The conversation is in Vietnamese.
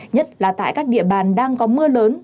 nhất là tại các địa bàn đang có mưa lớn